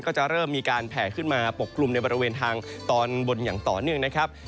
ก็จะเริ่มมีการแผ่ขึ้นมาปกกลุ่มในบริเวณทางตอนบนอย่างต่อเนื่องนะครับ